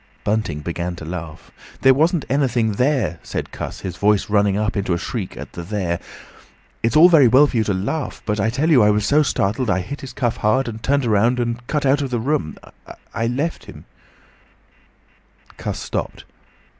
Bunting began to laugh. "There wasn't anything there!" said Cuss, his voice running up into a shriek at the "there." "It's all very well for you to laugh, but I tell you I was so startled, I hit his cuff hard, and turned around, and cut out of the room—I left him—" Cuss stopped.